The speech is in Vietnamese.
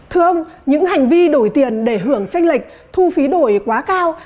thưa ông những hành vi đổi tiền để hưởng tranh lệch thu phí đổi quá cao